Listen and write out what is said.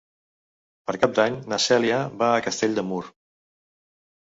Per Cap d'Any na Cèlia va a Castell de Mur.